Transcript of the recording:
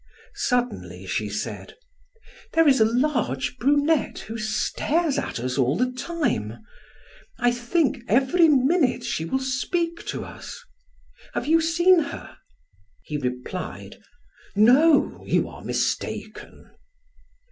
Suddenly she said: "There is a large brunette who stares at us all the time. I think every minute she will speak to us. Have you seen her?" He replied: "No, you are mistaken."